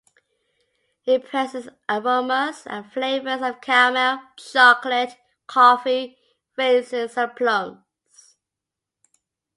It presents aromas and flavors of caramel, chocolate, coffee, raisins and plums.